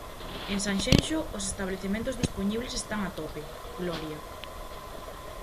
En Sanxenxo, os establecementos dispoñibles están a tope, Gloria...